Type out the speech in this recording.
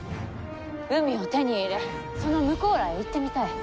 海を手に入れその向こうらへ行ってみたい。